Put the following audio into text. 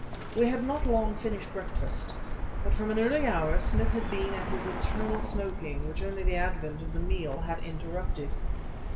We had not long finished breakfast, but from an early hour Smith had been at his eternal smoking, which only the advent of the meal had interrupted.